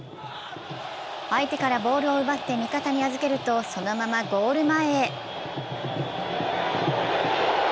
相手からボールを奪って味方に預けると、そのままゴール前へ。